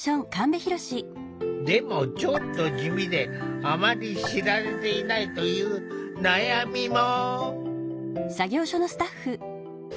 でもちょっと地味であまり知られていないという悩みも。